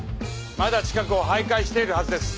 まだ近くを徘徊しているはずです。